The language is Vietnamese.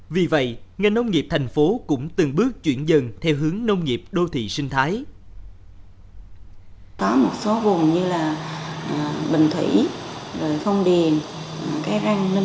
vì vậy ngành nông nghiệp thành phố cũng từng bước chuyển dần theo hướng nông nghiệp đô thị sinh thái